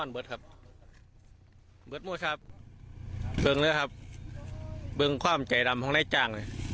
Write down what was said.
เบิร์ดโมชัพเบิร์ดเนี่ยครับเบิร์ดความใจดำของนายจ้าง